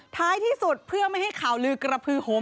ท้ายที่สุดเพื่อไม่ให้ข่าวลือกระพือโหม